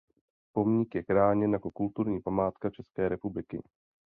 Pomník je chráněn jako kulturní památka České republiky.